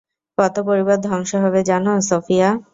কত পরিবার ধ্বংস হবে জানো, সোফিয়া?